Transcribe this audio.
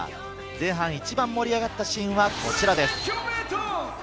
前半、一番盛り上がったシーンはこちらです。